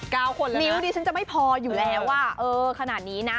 ๙คนแล้วนะนิ้วนี้ฉันจะไม่พออยู่แล้วว่าเออขนาดนี้นะ